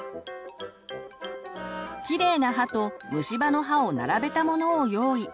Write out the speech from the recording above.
きれいな歯と虫歯の歯を並べたものを用意。